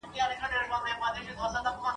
هم یې ځای زړه د اولس وي هم الله لره منظور سي !.